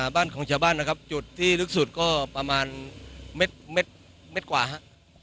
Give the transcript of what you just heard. บ้านของชาวบ้านนะครับจุดที่ลึกสุดก็ประมาณเม็ดกว่าฮะ